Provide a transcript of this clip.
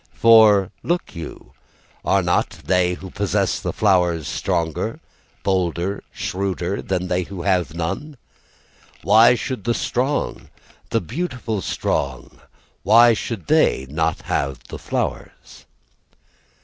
"For, look you, "Are not they who possess the flowers "Stronger, bolder, shrewder "Than they who have none? "Why should the strong "The beautiful strong "Why should they not have the flowers?